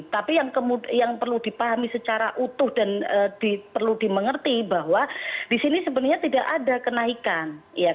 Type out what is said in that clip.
tapi yang perlu dipahami secara utuh dan perlu dimengerti bahwa di sini sebenarnya tidak ada kenaikan